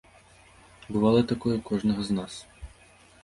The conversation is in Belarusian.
Бывала такое ў кожнага з нас.